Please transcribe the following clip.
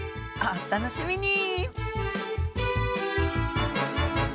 お楽しみに！